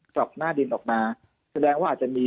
ล็อกหน้าดินออกมาแสดงว่าอาจจะมี